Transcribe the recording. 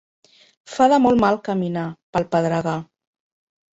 Fa de molt mal caminar, pel pedregar.